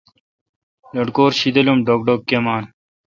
لٹکور شیدل اؘ ڈوگ دوگ کیمان۔